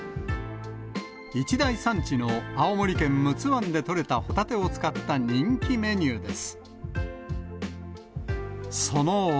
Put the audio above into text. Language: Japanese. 一大産地の青森県陸奥湾で取れたホタテを使った人気メニューです。